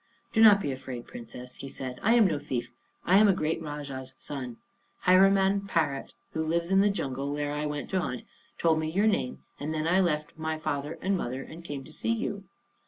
"Do not be afraid, Princess," he said; "I am no thief. I am a great Rajah's son. Hiraman parrot, who lives in the jungle where I went to hunt, told me your name, and then I left my father and mother and came to see you."